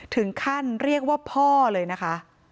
ถึงขั้นเรียกว่าพ่อเลยนะคะ